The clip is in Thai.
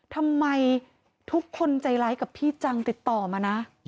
ทำไมทุกคนใจร้ายกับพี่จังติดต่อมานะ